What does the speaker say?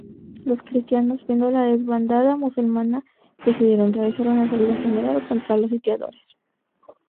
Los cristianos, viendo la desbandada musulmana, decidieron realizar una salida general contra los sitiadores.